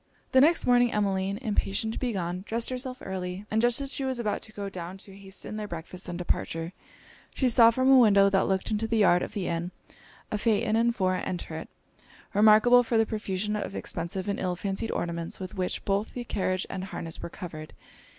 The next morning Emmeline, impatient to be gone, dressed herself early; and just as she was about to go down to hasten their breakfast and departure, she saw, from a window that looked into the yard of the inn, a phaeton and four enter it, remarkable for the profusion of expensive and ill fancied ornaments with which both the carriage and harness were covered.